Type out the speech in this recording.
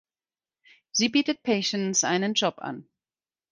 Sie bietet Patience einen Job an.